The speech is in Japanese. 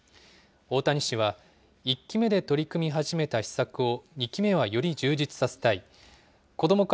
大谷氏は、１期目で取り組み始めた施策を２期目はより充実させたい。